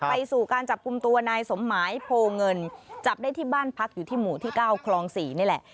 ไปสู่การจับกลุ่มตัวนายสมหมายโพเงินจับได้ที่บ้านพักอยู่ที่หมู่ที่๙คลอง๔นี่แหละ